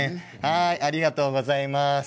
ありがとうございます。